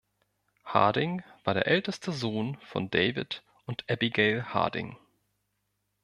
Harding war der älteste Sohn von David und Abigail Harding.